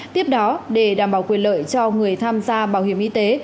tiếp đó để đảm bảo quyền lợi cho người tham gia bảo hiểm y tế